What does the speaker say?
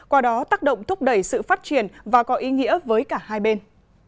qua đó tác động thúc đẩy sự phát triển và có ý nghĩa với cả hai bên